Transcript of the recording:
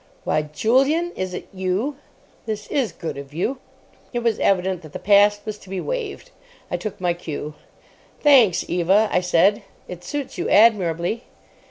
"Why, Julian, is it you. This is good of you!" It was evident that the past was to be waived. I took my cue. "Thanks, Eva," I said; "it suits you admirably."